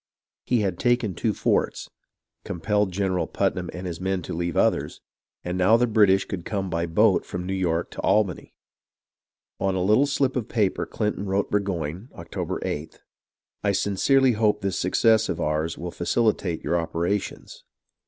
He had taken two forts, compelled General Putnam and his men to leave others, and now the British could come by boat from New York to Albany. On a little slip of paper Clinton wrote to Burgoyne, October 8th :" I sincerely hope this success of ours will facilitate your operations."